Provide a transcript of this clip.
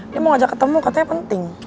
dia mau ngajak ketemu katanya penting